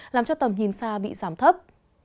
làm cho tầm nhìn xa bị giảm thấp